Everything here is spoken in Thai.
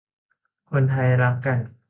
คนไทยรักกัน